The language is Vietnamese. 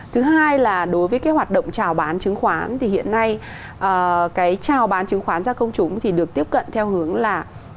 thứ hai là đối với cái hoạt động trào bán chứng khoán thì hiện nay cái trào bán chứng khoán ra công chúng thì được tiếp cận theo hướng là